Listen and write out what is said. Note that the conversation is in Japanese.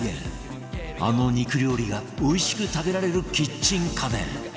あの肉料理がおいしく食べられるキッチン家電